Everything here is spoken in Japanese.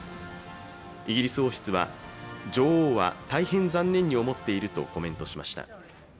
イギリス王室は、女王は大変残念に思っているとコメントしました。